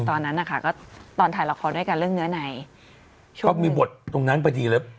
ตอนนั้นนะคะก็ตอนถ่ายละครด้วยกันเรื่องเนื้อในก็มีบทตรงนั้นพอดีเลย